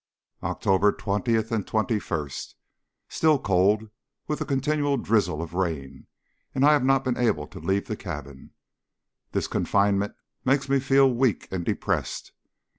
October 20 and 21. Still cold, with a continual drizzle of rain, and I have not been able to leave the cabin. This confinement makes me feel weak and depressed.